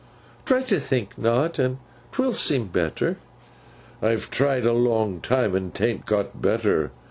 'Try to think not; and 'twill seem better.' 'I've tried a long time, and 'ta'nt got better.